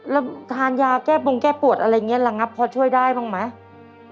แล้วทานยาแก้ปงแก้ปวดอะไรอย่างนี้ระงับพอช่วยได้บ้างไหม